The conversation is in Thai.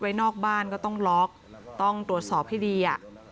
นอกบ้านก็ต้องล็อกต้องตรวจสอบให้ดี